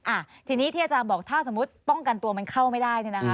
อ่าทีนี้ที่อาจารย์บอกถ้าสมมุติป้องกันตัวมันเข้าไม่ได้เนี่ยนะคะ